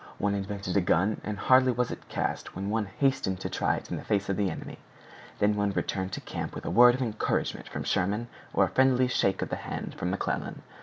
One invented a gun, and hardly was it cast, when one hastened to try it in the face of the enemy! Then one returned to camp with a word of encouragement from Sherman or a friendly shake of the hand from McClellan.